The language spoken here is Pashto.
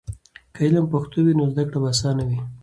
که علم په پښتو وي نو زده کړه به آسانه وي.